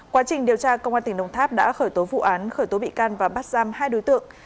quá trình điều tra công an tỉnh đồng tháp đã khởi tố vụ án khởi tố bị can và bắt giam hai đối tượng